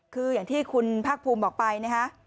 คืออย่างที่คุณภาคภูมิบอกไปนะฮะ